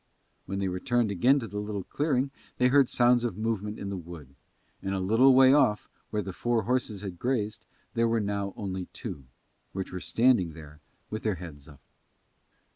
When they returned again to the little clearing they heard sounds of movement in the wood, and a little way off where the four horses had grazed there were now only two, which were standing there with their heads up.